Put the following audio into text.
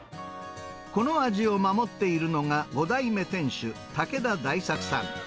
この味を守っているのが、５代目店主、竹田大作さん。